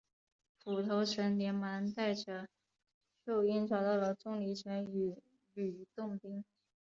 斧头神连忙带着秀英找到了钟离权与吕洞宾。